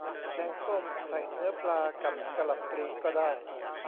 แกงส้ม ใส่เนื้อปลา กับกะหล่ำปลีก็ได้